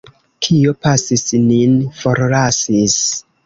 Kio pasis, nin forlasis.